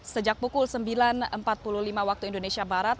sejak pukul sembilan empat puluh lima waktu indonesia barat